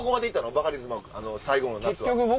バカリズムは最後の夏は。